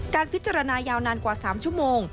การพิจารณายาวนานกว่า๓ชั่วโมง